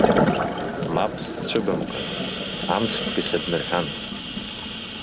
Мап сцәыбымкын, амцхәгьы сыбмырҳәан!